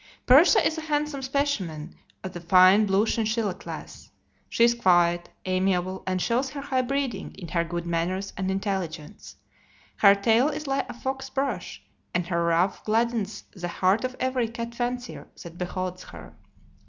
Persia is a handsome specimen of the fine blue chinchilla class. She is quiet, amiable, and shows her high breeding in her good manners and intelligence. Her tail is like a fox's brush, and her ruff gladdens the heart of every cat fancier that beholds her.